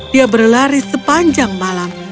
dia berlari sepanjang malam